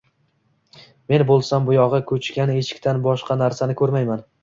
Men boʻlsam, boʻyogʻi koʻchgan eshikdan boshqa narsani koʻrmayman